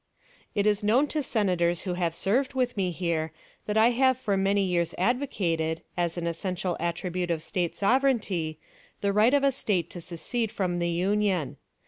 "It is known to Senators who have served with me here that I have for many years advocated, as an essential attribute of State sovereignty, the right of a State to secede from the Union.